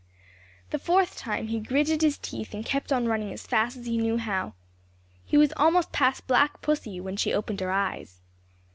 The fourth time he gritted his teeth and kept on running as fast as he knew how. He was almost past Black Pussy when she opened her eyes.